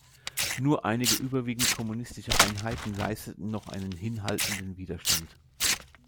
Nur einige überwiegend kommunistische Einheiten leisteten noch einen hinhaltenden Widerstand.